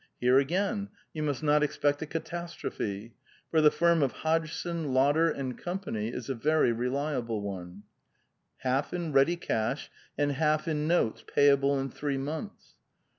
Here, again, you must not expect a catas trophe ; for the firm of Hodgson, Lotter and Company is a very reliable one) half in ready cash, and half in notes payable in three months.